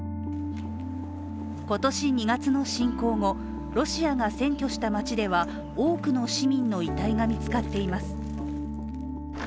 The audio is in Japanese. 今年２月の侵攻後、ロシアが占拠した町では多くの市民の遺体が見つかっています。